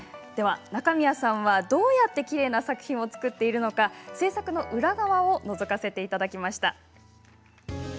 中宮さんは、どうやってきれいな作品を作っているのか制作の裏側をのぞかせていただきました。